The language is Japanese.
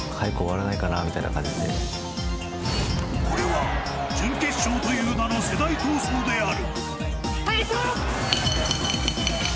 これは、準決勝という名の世代闘争である。